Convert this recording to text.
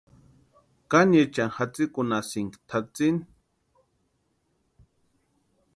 ¿Kániechani jatsikunhasïnki tʼatsíni?